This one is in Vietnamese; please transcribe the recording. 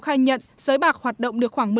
khai nhận giới bạc hoạt động được khoảng